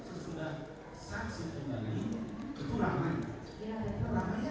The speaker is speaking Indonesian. kemudian ketika selesai menjalani ibadah